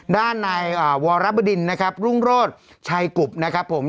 ด้านนายวรบดินนะครับรุ่งโรธชัยกุบนะครับผม